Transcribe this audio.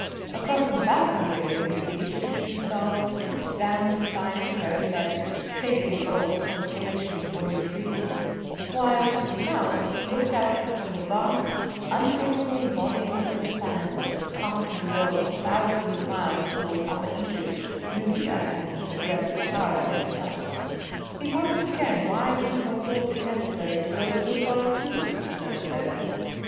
Across his balcony railings the Egyptian stars trooped down beside his very bed, shaping old constellations for his dreams; while, to the south, he looked out upon the vast untamable Body of the sands that carpeted the world for thousands of miles towards Upper Egypt, Nubia, and the dread Sahara itself. He wondered again why people thought it necessary to go so far afield to know the Desert.